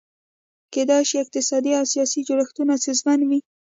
کېدای شي اقتصادي او سیاسي جوړښتونه ستونزمن وي.